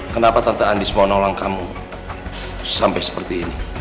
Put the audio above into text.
kenapa tante anies mau nolong kamu sampai seperti ini